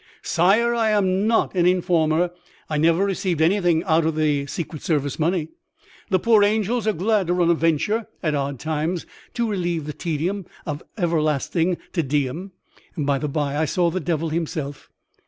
"Sire, I am not an informer; I never received anything out of the secret service money. The poor angels are glad to run a venture at odd times, to relieve the tedium of everlasting Te Deum. By the bye, I saw the Devil himself."